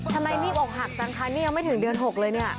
ทำไมนี่บอกหักจังคะนี่ยังไม่ถึงเดือน๖เลยเนี่ย